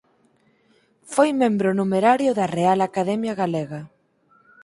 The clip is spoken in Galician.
Foi membro numerario da Real Academia Galega.